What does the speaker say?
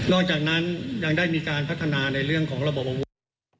จากนั้นยังได้มีการพัฒนาในเรื่องของระบบอาวุธ